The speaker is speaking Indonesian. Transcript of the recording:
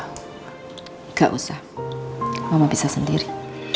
nggak usah bisa sendiri